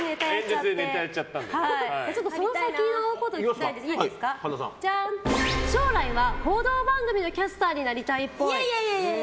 今後の先を聞きたいんですけど将来は報道番組のキャスターをやりたいっぽい。